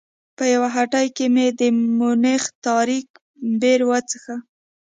په یوه هټۍ کې مې د مونیخ تاریک بیر وڅښه.